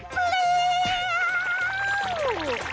เปรี้ยว